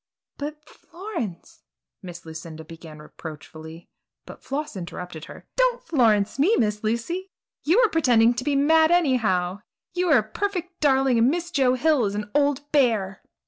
"But Florence!" Miss Lucinda began reproachfully, but Floss interrupted her: "Don't 'Florence' me, Miss Lucy! You're just pretending to be mad anyhow. You are a perfect darling and Miss Joe Hill is an old bear!"